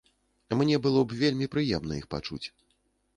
Мне было б вельмі прыемна іх пачуць.